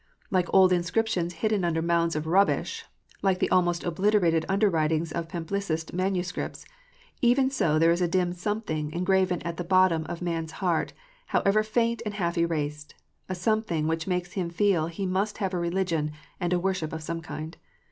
Like old inscriptions hidden under mounds of rubbish, like the almost obliterated under writing of Palimpsest manuscripts,* even so there is a dim something engraven at the bottom of man s heart, however faint and half erased, a something which makes him feel he must have a religion and a worship of some kind.